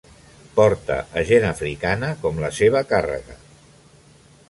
Porta a gent africana com la seva càrrega.